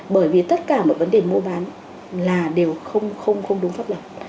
bởi vì tất cả mọi vấn đề mua bán là đều không đúng pháp lập